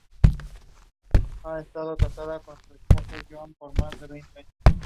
Durante la guerra entre Irán e Irak, se desempeñó en el frente sur.